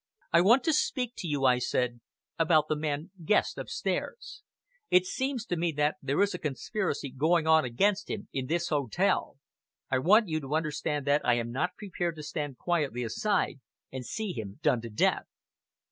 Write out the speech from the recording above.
"I want to speak to you," I said, "about the man Guest upstairs. It seems to me that there is a conspiracy going on against him in this hotel. I want you to understand that I am not prepared to stand quietly aside and see him done to death!"